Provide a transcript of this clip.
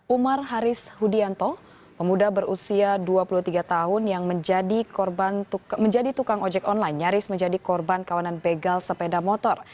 umar haris hudianto pemuda berusia dua puluh tiga tahun yang menjadi tukang ojek online nyaris menjadi korban kawanan begal sepeda motor